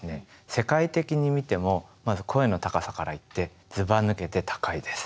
世界的に見ても声の高さからいってずばぬけて高いです。